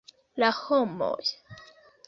La homoj!..